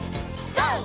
ＧＯ！